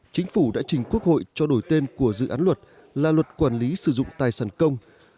chính phủ đã trình quốc hội cho đổi tên của dự án luật là luật quản lý sử dụng tài sản công